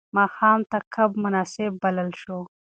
ماښام ته کب مناسب بلل شو.